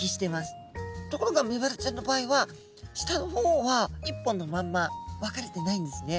ところがメバルちゃんの場合は下の方は一本のまんま分かれてないんですね。